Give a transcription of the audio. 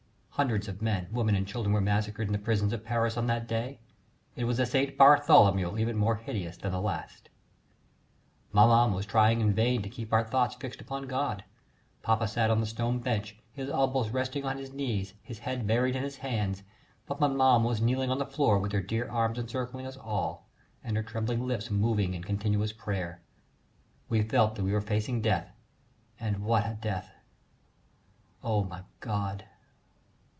Hundreds of men, women, and children were massacred in the prisons of Paris on that day it was a St. Bartholomew even more hideous than the last. Maman was trying in vain to keep our thoughts fixed upon God papa sat on the stone bench, his elbows resting on his knees, his head buried in his hands, but maman was kneeling on the floor with her dear arms encircling us all, and her trembling lips moving in continuous prayer. We felt that we were facing death and what a death! O, my God!